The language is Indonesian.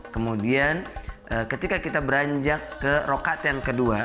kemudian ketika kita beranjak ke rokaat yang kedua